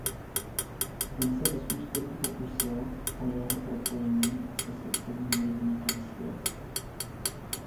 Ten se bez úspěchu pokusil o jeho propojení se sousedním rybníkem Svět.